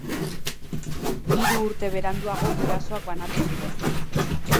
Hiru urte beranduago gurasoak banatu ziren.